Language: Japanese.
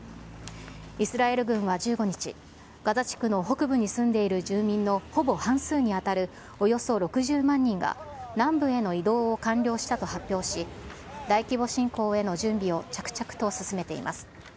イスラエル軍は１５日、ガザ地区の北部に住んでいる住民のほぼ半数に当たるおよそ６０万人が、南部への移動を完了したと発表し、大規模侵攻への準備を着々と進めています。